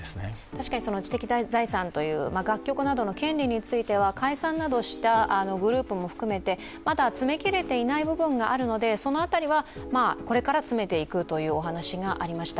確かに知的財産という楽曲などの権利については解散などしたグループも含めてまだ詰め切れていない部分があるのでその辺りはこれから詰めていくというお話がありました。